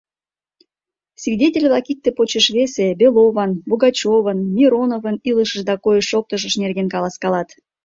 Свидетель-влак икте почеш весе Белован, Богачевын, Мироновын илышышт да койыш-шоктышышт нерген каласкалат...